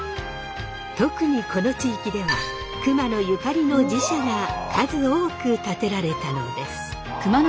特にこの地域では熊野ゆかりの寺社が数多く建てられたのです。